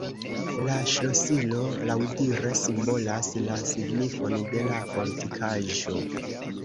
La ŝlosilo laŭdire simbolas la signifon de la fortikaĵo.